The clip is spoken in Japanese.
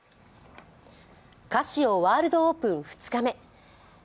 カシオワールドオープン２日目。